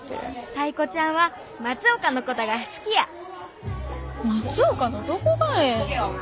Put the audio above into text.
タイ子ちゃんは松岡のことが好きや松岡のどこがええの？